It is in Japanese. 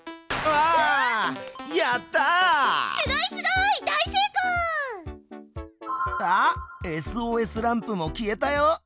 あっＳＯＳランプも消えたよ。